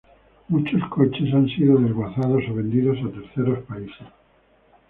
Muchos coches han sido desguazados o vendidos a terceros países.